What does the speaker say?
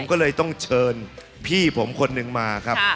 ก็เลยต้องเชิญพี่ผมคนหนึ่งมาครับ